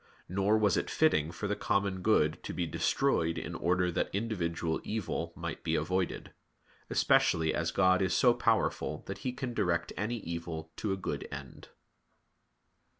Nor was it fitting for the common good to be destroyed in order that individual evil might be avoided; especially as God is so powerful that He can direct any evil to a good end.